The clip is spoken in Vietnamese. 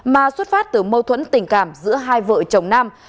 mà xuất phát từ mâu thuẫn tình cảm giữa hai vợ chồng nam